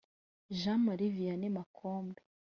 Jean Marie Vianney Makombe